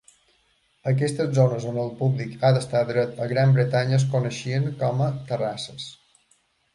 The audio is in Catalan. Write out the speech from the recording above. Aquestes zones on el públic ha d'estar dret a Gran Bretanya es coneixien com a "terrasses".